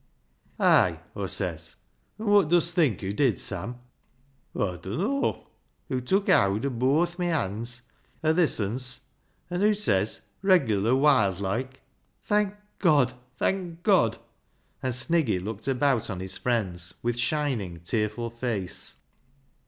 ' "'Ay,' Aw says. An' v/ot dust think hoo did, Sam?" " Aw dunno." " Hoo tewk howd o' booath my bonds, o' this unce, an' hoo says, reglar wild loike, 'Thank God! thank God!'" and Sniggy looked about on his friends with shining, tearful face.